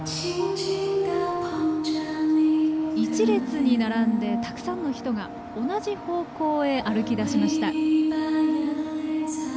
１列に並んで、たくさんの人が同じ方向へ歩きだしました。